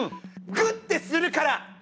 グッてするから！